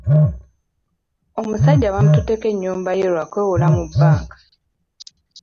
Omusajja baamututteko ennyumba ye lwa kwewola mu bbanka.